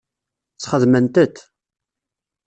Sxedment-t.